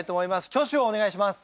挙手をお願いします。